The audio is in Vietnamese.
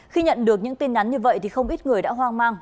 khi nhận được những tin nhắn như vậy thì không ít người đã hoang mang